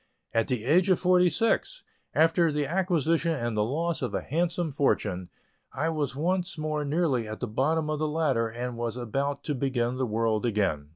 At the age of forty six, after the acquisition and the loss of a handsome fortune, I was once more nearly at the bottom of the ladder, and was about to begin the world again.